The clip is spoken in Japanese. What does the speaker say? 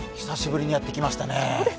久しぶりにやってきましたね。